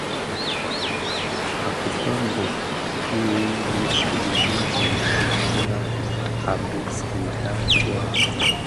A kitömbö bi dhi fuli di zoň i biňkira a bisèntaï waa.